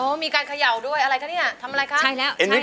โอ้มีการเขย่าด้วอะไรคะเนี่ย